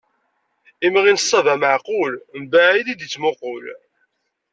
Imɣi n ṣṣaba meɛqul, mbaɛid i d-yettmuqul.